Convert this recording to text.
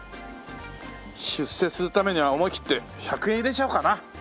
出世するためには思い切って１００円入れちゃおうかな。